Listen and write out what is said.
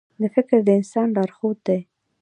• فکر د انسان لارښود دی.